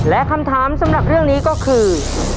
และคำถามสำหรับเรื่องนี้ก็คือ